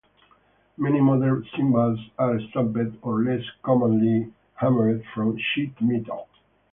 Many modern cymbals are stamped or, less commonly, hammered from sheet metal.